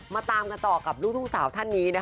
มาตามกันต่อกับลูกดุ๊กสาวท่านนี้